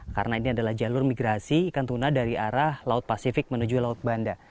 karena ini adalah jalur migrasi ikan tuna dari arah laut pasifik menuju laut banda